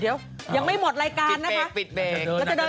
เดี๋ยวยังไม่หมดรายการนะคะปิดเบรก